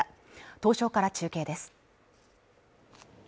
東証から中継です